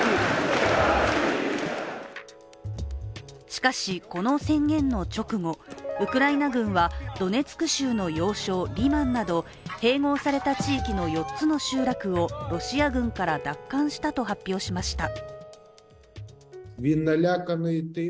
しかし、この宣言の直後、ウクライナ軍はドネツク州の要衝リマンなど併合された地域の４つの集落をロシア軍から奪還したと発表しました。